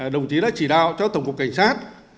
đồng chí đã chỉ đạo cho tổng cục cảnh sát